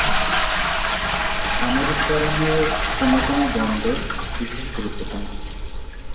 সামরিক কারণেও কোনো কোনো বন্দর বিশেষ গুরুত্বপূর্ণ।